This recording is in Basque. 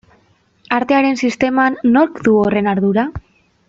Artearen sisteman nork du horren ardura?